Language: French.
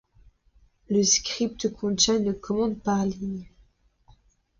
Le script contient une commande par ligne.